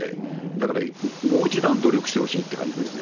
だから、もう一段努力してほしいって感じですね。